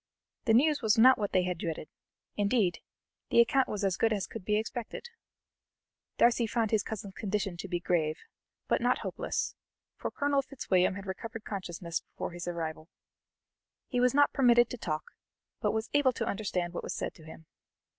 The news was not what they had dreaded; indeed, the account was as good as could be expected; Darcy found his cousin's condition to be grave, but not hopeless, for Colonel Fitzwilliam had recovered consciousness before his arrival. He was not permitted to talk, but was able to understand what was said to him.